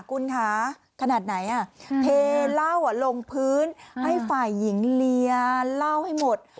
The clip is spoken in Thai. คุณคะขนาดไหนเทเหล้าลงพื้นให้ฝ่ายหญิงเรียนเหล้าให้หมด